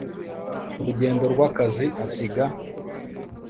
mu rugendo rw akazi asiga